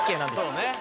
そうね。